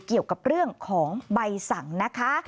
เกี่ยวกับเรื่องของใบสั่งนะคะ